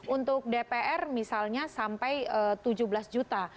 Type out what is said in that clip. untuk dpr misalnya sampai tujuh belas juta